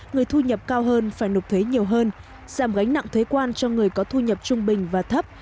người thu nhập cao hơn phải nộp thuế nhiều hơn giảm gánh nặng thuế quan cho người có thu nhập trung bình và thấp